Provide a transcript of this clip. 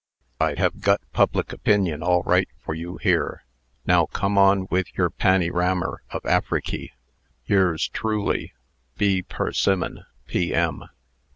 I have gut public opinion all rite for yu here, now cum on with yer panyrammer of Afriky. Yure's trooly, B. PERSIMMON, p.m.